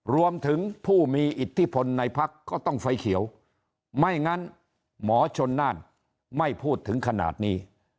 รวมถึงผู้มีอิทธิพลในพักก็ต้องไฟเขียวไม่งั้นหมอชนน่านไม่พูดถึงขนาดนี้